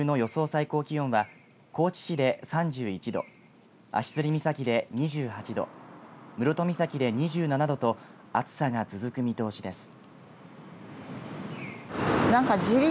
最高気温は高知市で３１度足摺岬で２８度室戸岬で２７度と暑さが続く見通しです。